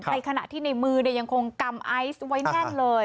ในขณะที่ในมือยังคงกำไอซ์ไว้แน่นเลย